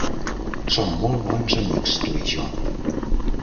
Som molt bons amics, tu i jo.